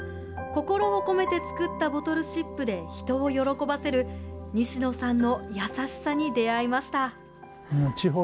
心を込めて作ったボトルシップで人を喜ばせる西野さんの優しさに出会いました。